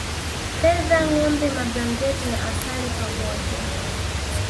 Fedha ngombe mablanketi na asali pamoja